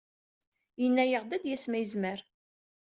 Yenna-aɣ-d ad d-yas ma yezmer.